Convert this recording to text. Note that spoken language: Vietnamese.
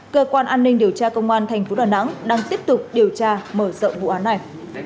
cơ quan an ninh điều tra công an thành phố đà nẵng đang tiếp tục điều tra mở rộng vụ án này